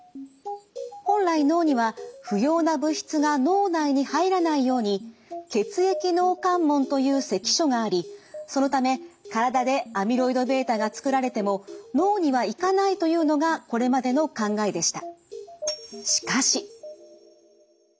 本来脳には不要な物質が脳内に入らないように血液脳関門という関所がありそのため体でアミロイドβが作られても脳には行かないというのがこれまでの考えでした。